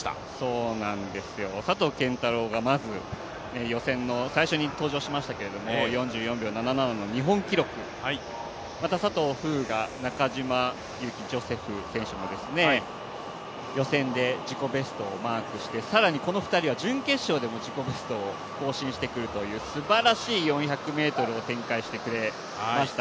そうなんですよ、佐藤拳太郎が予選のまず最初に登場しましたけども４４秒７７の日本記録、また佐藤風雅、中島佑気ジョセフ選手も予選で自己ベストをマークして更にこの人は準決勝でも自己ベストを更新してくるというすばらしい４００ｍを展開してくれました。